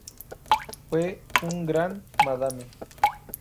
Fue un gran madame.